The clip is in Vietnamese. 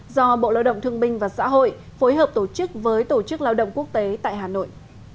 do bộ lao động thương binh và xã hội phối hợp tổ chức với tổ chức lao động quốc tế tại hà nội